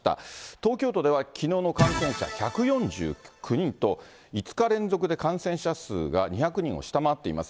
東京都では、きのうの感染者１４９人と、５日連続で感染者数が２００人を下回っています。